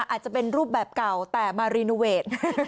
อาจจะเป็นรูปแบบเก่าแต่มารีโนเวท